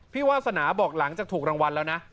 วาสนาบอกหลังจากถูกรางวัลแล้วนะ